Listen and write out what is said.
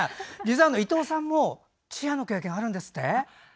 伊藤さんもチアの経験あるんですって？